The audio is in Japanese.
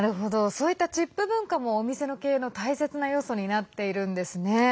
そういったチップ文化もお店の経営の大切な要素になっているんですね。